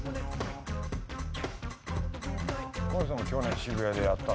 この人も去年渋谷でやった。